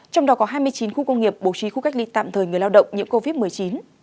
trong đó có hai mươi chín khu công nghiệp bố trí khu cách ly tạm thời người lao động nhiễm covid một mươi chín